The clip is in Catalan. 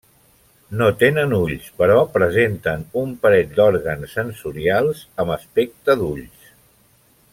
No tenen ulls, però presenten un parell d'òrgans sensorials amb aspecte d'ulls.